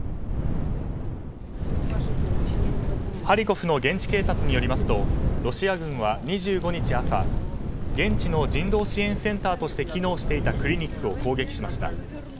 ハリコフの現地警察によりますとロシア軍は２５日朝現地の人道支援センターとして機能していたクリニックを攻撃しました。